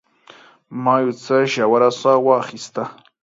ما یو څه ژوره ساه واخیسته.